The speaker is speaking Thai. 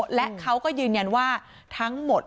แต่ลาลาเบลเขาก็ยืนยันว่าทั้งหมด